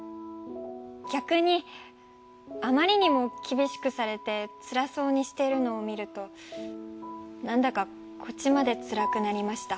逆にあまりにも厳しくされてつらそうにしているのを見るとなんだかこっちまでつらくなりました。